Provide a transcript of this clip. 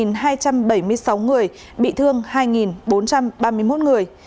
làm chết hai hai trăm bảy mươi sáu người bị thương hai bốn trăm ba mươi một người